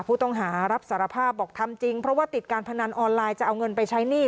ผู้ต้องหารับสารภาพบอกทำจริงเพราะว่าติดการพนันออนไลน์จะเอาเงินไปใช้หนี้